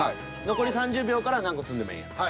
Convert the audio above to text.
残り３０秒から何個積んでもええんやな？